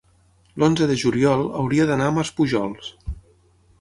l'onze de juliol hauria d'anar a Maspujols.